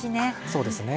そうですね。